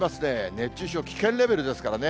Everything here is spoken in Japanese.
熱中症危険レベルですからね。